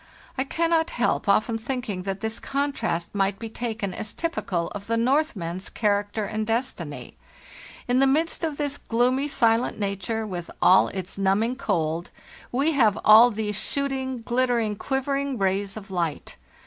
I cannot help often thinking that this contrast might be taken as_ typical of the Northman's character and destiny. In the midst of this gloomy, silent nature, with all its numbing cold, we have all these shooting, glittering, quivering rays of light.